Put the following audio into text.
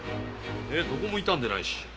どこも傷んでないし。